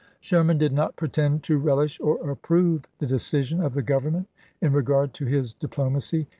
x Sherman did not pretend to relish or approve the decision of the Government in regard to his diplomacy.